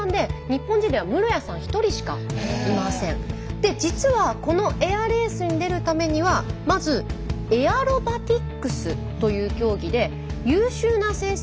⁉で実はこのエアレースに出るためにはまずエアロバティックスという競技で優秀な成績を収めないといけないんです。